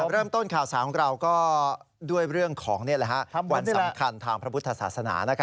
เริ่มต้นข่าวสารของเราก็ด้วยเรื่องของวันสำคัญทางพระพุทธศาสนา